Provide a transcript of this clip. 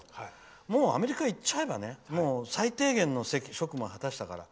もうアメリカ行っちゃえば最低限の職務は果たしたから。